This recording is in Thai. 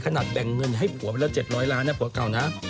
แบ่งเงินให้ผัวไปแล้ว๗๐๐ล้านนะผัวเก่านะ